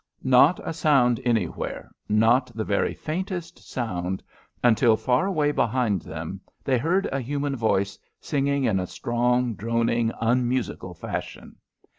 Not a sound anywhere, not the very faintest sound, until far away behind them they heard a human voice singing in a strong, droning, unmusical fashion.